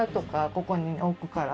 ここに置くから？